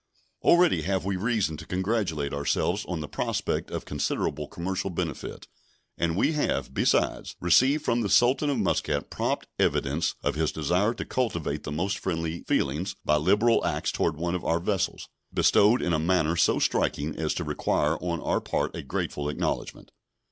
Already have we reason to congratulate ourselves on the prospect of considerable commercial benefit; and we have, besides, received from the Sultan of Muscat prompt evidence of his desire to cultivate the most friendly feelings, by liberal acts toward one of our vessels, bestowed in a manner so striking as to require on our part a grateful acknowledgment.